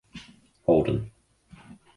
Holden.